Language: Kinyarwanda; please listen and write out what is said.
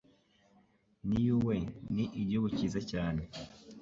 Niue ni igihugu cyiza cyane.